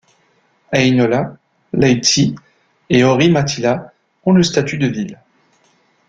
Heinola, Lahti et Orimattila ont le statut de villes.